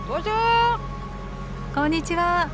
こんにちは。